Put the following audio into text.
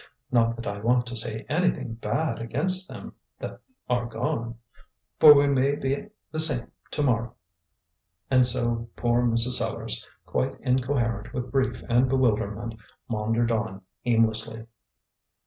Not that I want to say anything bad against them that are gone, for we may be the same to morrow," and so poor Mrs. Sellars, quite incoherent with grief and bewilderment, maundered on aimlessly.